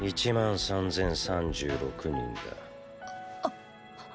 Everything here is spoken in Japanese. １万３千３６人だ。っ！